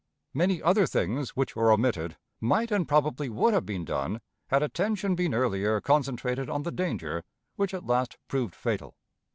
Many other things which were omitted might and probably would have been done had attention been earlier concentrated on the danger which at last proved fatal.